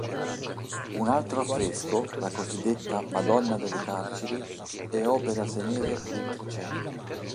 Un altro affresco, la cosiddetta "Madonna delle Carceri", è opera senese del Trecento.